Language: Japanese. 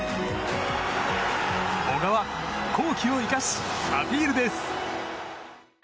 小川、好機を生かしアピールです。